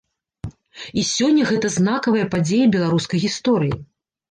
І сёння гэта знакавая падзея беларускай гісторыі.